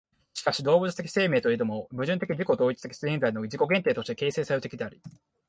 しかし動物的生命といえども、矛盾的自己同一的現在の自己限定として形成作用的であり、